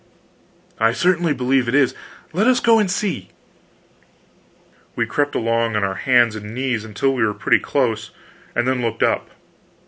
"I certainly believe it is; let us go and see." We crept along on our hands and knees until we were pretty close, and then looked up.